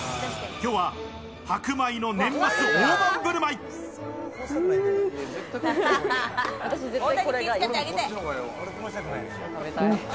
今日は白米の年末大盤振る舞い！